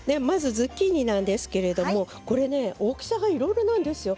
ズッキーニですが大きさがいろいろなんですよ。